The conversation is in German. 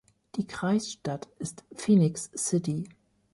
Die Kreisstadt ist Phenix City.